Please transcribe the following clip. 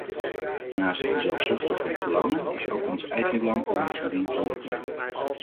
Naast onzelfzuchtige belangen is ook ons eigen belang ermee gediend om dat te doen.